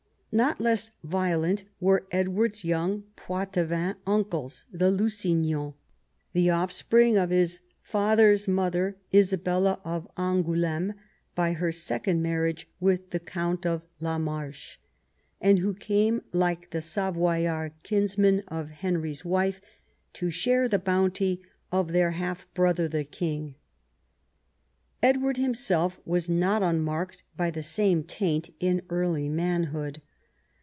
Not less violent were EdAA'ard's }'Oung Poitevin uncles, the Lusignans, the 8 EDWARD I CHAP. ofFspring of his father's mother, Isabella of Angouleme, by her second marriage with the Count of La Marche, and who came, like the Savoyard kinsfolk of Henry's wife, to share the bounty of their half brother the King. Edward himself was not unmarked by the same taint in early manhood.